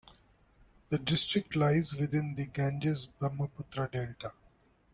The district lies within the Ganges-Brahmaputra delta.